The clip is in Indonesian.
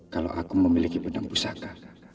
kalau aku memiliki benang pusaka